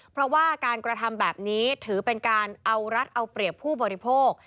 เพราะว่าการกระทำแบบนี้ถือเป็นการเอารัฐเอาเปรียบผู้บริโภค